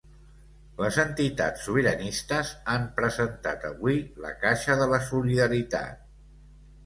Les entitats sobiranistes han presentat avui la caixa de la solidaritat.